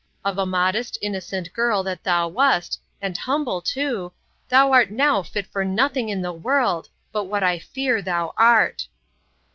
Of a modest, innocent girl, that thou wast, and humble too, thou art now fit for nothing in the world, but what I fear thou art.